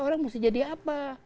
orang mesti jadi apa